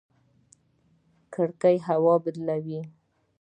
کړکۍ هوا بدلوي